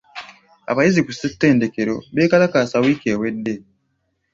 Abayizi ku ssettendekero beekalakaasa wiiki ewedde.